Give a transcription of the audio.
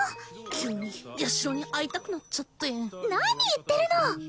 急にヤシロに会いたくなっちゃって何言ってるの！